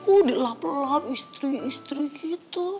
udah lap lap istri istri gitu